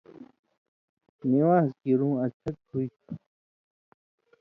نِوان٘ز کیرُوں اڅھک ہُوئ تھُو۔